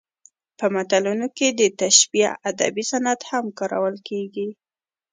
په متلونو کې د تشبیه ادبي صنعت هم کارول کیږي